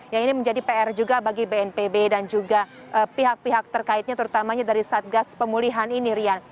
yang ini menjadi pr juga bagi bnpb dan juga pihak pihak terkaitnya terutamanya dari satgas pemulihan ini rian